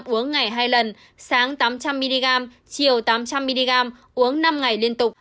uống ngày hai lần sáng tám trăm linh mg chiều tám trăm linh mg uống năm ngày liên tục